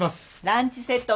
ランチセット